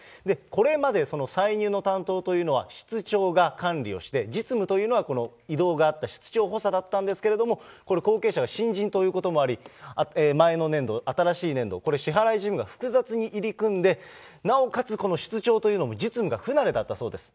これまで歳入の担当というのは、室長が管理をして、実務というのは、この異動があった室長補佐だったんですけれども、これ、後継者が新人ということもあり、前の年度、新しい年度、これ、支払い事務が複雑に入り組んで、なおかつ、この室長というのも実務が不慣れだったそうです。